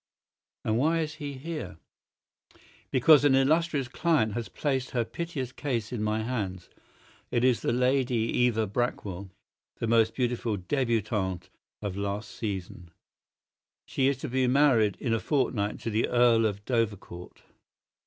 "And why is he here?" "Because an illustrious client has placed her piteous case in my hands. It is the Lady Eva Brackwell, the most beautiful DEBUTANTE of last season. She is to be married in a fortnight to the Earl of Dovercourt.